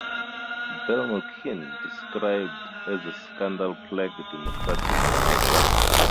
"Bill" McCuen, described as a "scandal-plagued Democratic nominee".